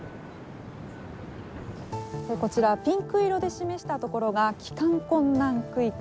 こちらピンク色で示したところが帰還困難区域。